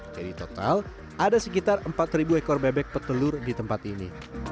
jadi total ada sekitar empat ribu ekor bebek petelur di tempat ini